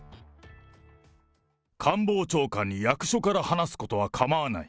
官房長官に役所から話すことは構わない。